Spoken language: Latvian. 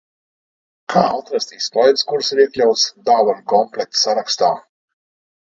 Kā atrast izklaides, kuras ir iekļautas dāvanu komplekta sarakstā?